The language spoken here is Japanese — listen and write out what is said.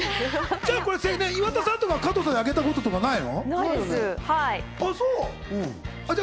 岩田さんとかは加藤さんにあげたことないの？